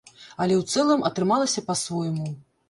Але ў цэлым, атрымалася па-свойму.